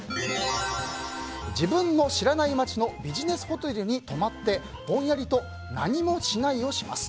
自分の知らない街のビジネスホテルに泊まってぼんやりと何もしないをします。